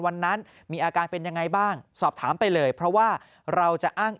วันนั้นมีอาการเป็นยังไงบ้างสอบถามไปเลยเพราะว่าเราจะอ้าง